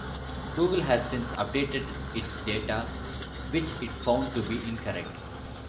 Google has since updated its data which it found to be incorrect.